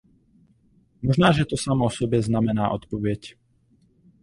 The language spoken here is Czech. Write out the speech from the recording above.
Možná, že to samo o sobě znamená odpověď.